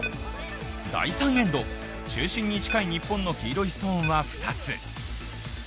第３エンド、中心に近い日本の黄色いストーンは２つ。